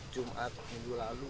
jumat minggu lalu